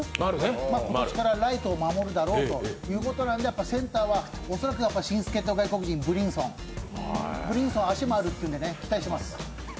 今年からライトを守るだろうということなんで、おそらくは新助っ人外国人のブリンソン、足もあるっていうので期待してます。